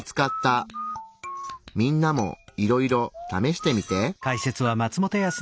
みんなもいろいろ試してみて。